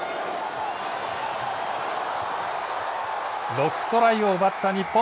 ６トライを奪った日本。